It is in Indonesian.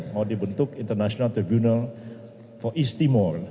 mau dibentuk international tribunal for east timor